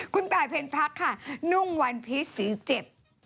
คุณตายเพ็ญพักค่ะนุ่งวันพีชสีเจ็บ